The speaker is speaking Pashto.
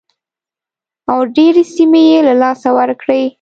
او ډېرې سیمې یې له لاسه ورکړې.